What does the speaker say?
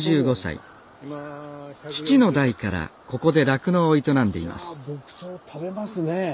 父の代からここで酪農を営んでいます